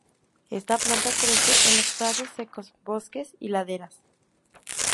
Esta planta crece en los prados secos, bosques y laderas.